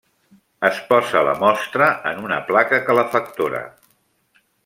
Es posa la mostra en una placa calefactora.